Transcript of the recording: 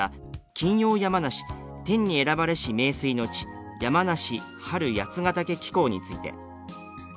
金曜やまなし天に選ばれし名水の地山梨春八ヶ岳紀行」について。